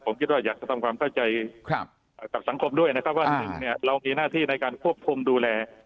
ผมคิดว่าอยากจะทำความเข้าใจกับสังคมด้วยนะครับว่าหนึ่งเนี่ยเรามีหน้าที่ในการควบคุมดูแล